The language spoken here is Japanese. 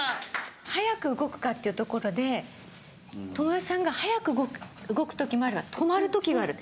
速く動くかっていうところで知世さんが速く動く時もあれば止まる時があるって。